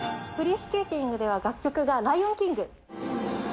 フリースケーティングでは楽曲がライオンキング。